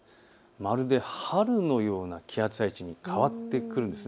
まるで春のような気圧配置に変わってくるんです。